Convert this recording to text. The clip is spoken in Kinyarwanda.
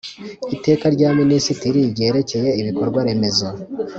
iteka rya minisitiri ryerekeye ibikorwa remezo